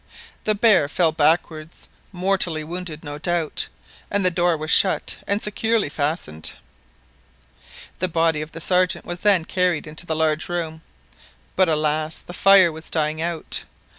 The bear fell backwards, mortally wounded no doubt, and the door was shut and securely fastened. The body of the Sergeant was then carried into the large room. But, alas! the fire was dying out.